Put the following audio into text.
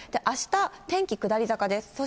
あした、天気下り坂です。